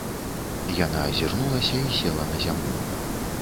Яна азірнулася і села на зямлю.